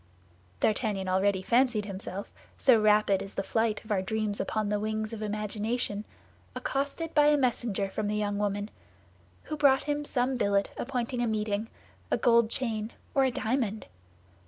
D'Artagnan already fancied himself, so rapid is the flight of our dreams upon the wings of imagination, accosted by a messenger from the young woman, who brought him some billet appointing a meeting, a gold chain, or a diamond.